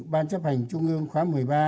ban chấp hành trung ương khóa một mươi ba